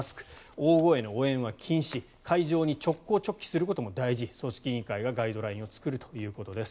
大声の応援は禁止会場に直行直帰することも大事組織委員会はガイドラインを作るということです。